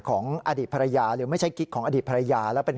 ของอดีตภรรยาหรือไม่ใช่กิ๊กของอดีตภรรยาแล้วเป็น